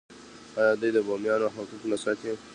آیا دوی د بومیانو حقوق نه ساتي؟